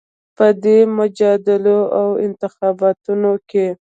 په دې مجادلو او انتخابونو کې